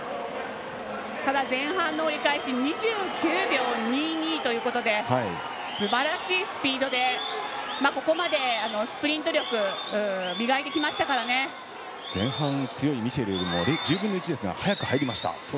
ただ前半の折り返し２９秒２２ということですばらしいスピードでここまでスプリント力前半、強いミシェルよりも１０分の１早く入りました。